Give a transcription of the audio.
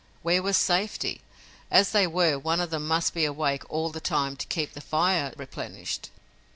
Where was safety? As they were, one of them must be awake all the time to keep the fire replenished.